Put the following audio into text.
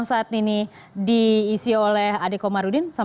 sudah cukup tadi ya